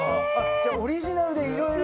じゃあオリジナルでいろいろ。